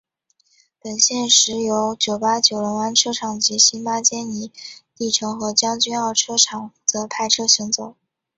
本线现时由九巴九龙湾车厂及新巴坚尼地城和将军澳车厂负责派车行走。